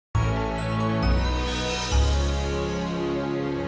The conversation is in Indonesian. nugi sayang aku ngini di atas aja yuk